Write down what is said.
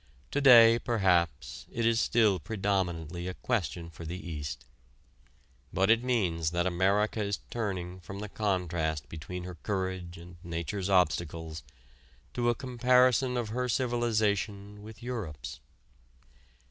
To day perhaps, it is still predominantly a question for the East. But it means that America is turning from the contrast between her courage and nature's obstacles to a comparison of her civilization with Europe's.